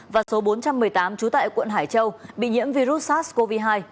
và số bốn trăm một mươi tám trú tại quận hải châu bị nhiễm virus sars cov hai